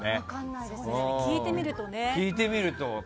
聞いてみるとね。